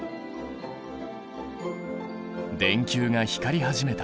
電球が光り始めた。